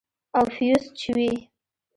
او فيوز چوي.